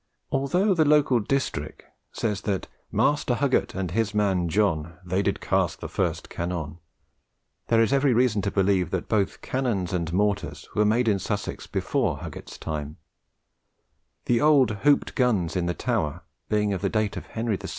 Although the local distich says that "Master Huggett and his man John They did cast the first cannon," there is every reason to believe that both cannons and mortars were made in Sussex before Huggett's time; the old hooped guns in the Tower being of the date of Henry VI.